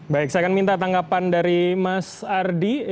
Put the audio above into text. baik saya akan minta tanggapan dari mas ardi